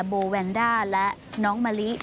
โบวัลด้าและน้องมะลี้